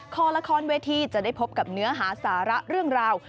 คอละครเวทีจะได้พบกับเนื้อหาสาระเรื่องราว